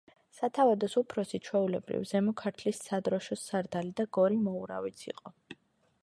სათავადოს უფროსი, ჩვეულებრივ, ზემო ქართლის სადროშოს სარდალი და გორი მოურავიც იყო.